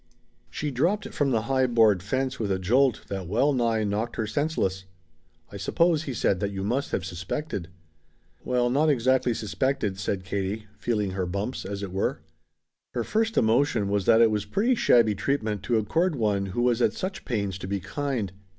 She dropped from the high board fence with a jolt that well nigh knocked her senseless. "I suppose," he said, "that you must have suspected." "Well, not exactly suspected," said Katie, feeling her bumps, as it were. Her first emotion was that it was pretty shabby treatment to accord one who was at such pains to be kind.